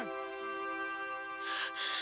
gak bisa dong di steve